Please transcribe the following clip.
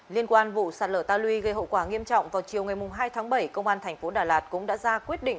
liên quan vụ sạt lở ta luy gây hậu quả nghiêm trọng vào chiều ngày hai tháng bảy công an thành phố đà lạt cũng đã ra quyết định